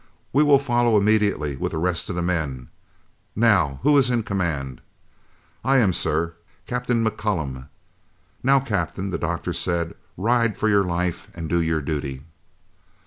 We will follow immediately with the rest of the men. Now! who is in command?" "I am, sir Captain McCullum." "Now, Captain," the Doctor said, "ride for your life and do your duty."